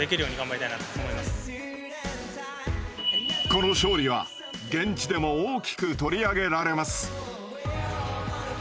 この勝利は現地でも大きく取り上げられます。